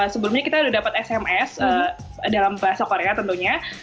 sebelumnya kita sudah dapat sms dalam bahasa korea tentunya